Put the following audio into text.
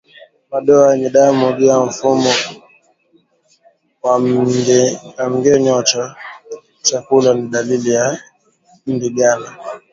Madoa yenye damu juu ya mfumo wa mmengenyo wa chakula ni dalili ya ndigana